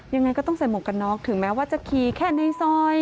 ยังไงก็ต้องใส่หมวกกันน็อกถึงแม้ว่าจะขี่แค่ในซอย